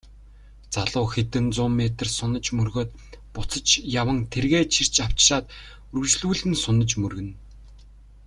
Залуу хэдэн зуун метр сунаж мөргөөд буцаж яван тэргээ чирч авчраад үргэлжлүүлэн сунаж мөргөнө.